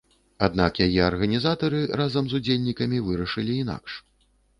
Аднак яе арганізатары, разам з удзельнікамі вырашылі інакш.